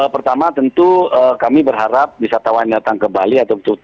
pertama tentu kami berharap wisatawan datang ke bali